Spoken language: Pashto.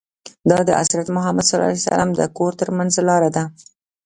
دا د حضرت محمد ص د کور ترمنځ لاره ده.